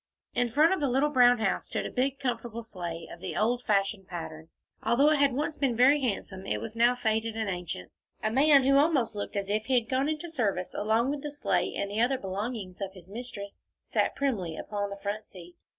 In front of the little brown house stood a big comfortable sleigh of the old fashioned pattern. Although it had once been very handsome, it was now faded and ancient. A man who almost looked as if he had gone into service along with the sleigh and the other belongings of his mistress, sat primly upon the front seat.